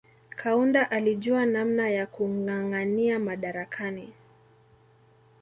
Kaunda alijua namna ya kungangania madarakani